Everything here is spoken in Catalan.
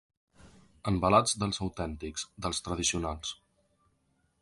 Envelats dels autèntics, dels tradicionals.